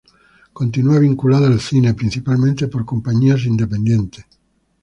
Continúa vinculada al cine, principalmente con compañías independientes.